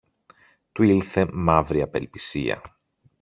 Του ήλθε μαύρη απελπισία.